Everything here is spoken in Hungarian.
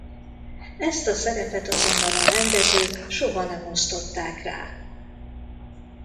Ezt a szerepet azonban a rendezők soha nem osztották rá.